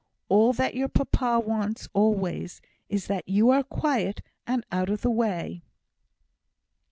All that your papa wants always, is that you are quiet and out of the way."